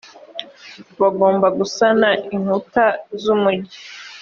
bagomba gusana inkuta z’umugi